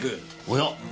おや？